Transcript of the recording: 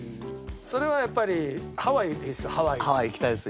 それはやっぱりハワイいいですよハワイ。